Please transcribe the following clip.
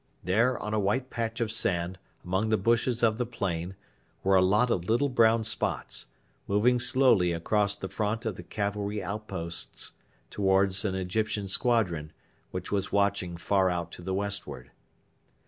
There, on a white patch of sand among the bushes of the plain, were a lot of little brown spots, moving slowly across the front of the cavalry outposts towards an Egyptian squadron, which was watching far out to the westward.